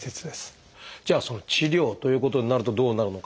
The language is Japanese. じゃあその治療ということになるとどうなるのかっていうことですが。